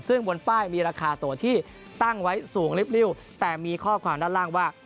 ซึ่งบนป้ายมีราคาตัวที่ตั้งไว้สูงริบริ้วแต่มีข้อความด้านล่างว่า